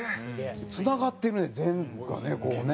つながってるね全部がねこうね。